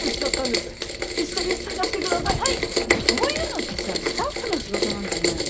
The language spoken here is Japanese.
そういうのってさスタッフの仕事なんじゃないの？